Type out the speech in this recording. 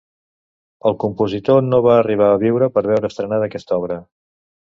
El compositor no va arribar a viure per veure estrenada aquesta obra.